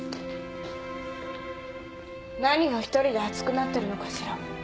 何を１人で熱くなってるのかしら。